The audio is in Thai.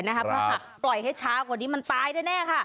เพราะโปร่งให้ช้ากว่านี้มันตายได้แน่